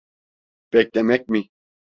Beklemek mi?